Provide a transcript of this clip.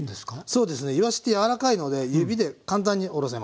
そうですねいわしって柔らかいので指で簡単におろせます。